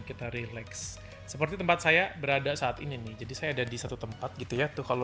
kita relax seperti tempat saya berada saat ini nih jadi saya ada di satu tempat gitu ya tuh kalau